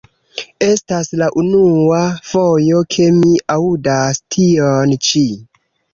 Estas la unua fojo ke mi aŭdas tion ĉi.